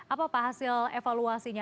apa hasil evaluasi dari sekolah ini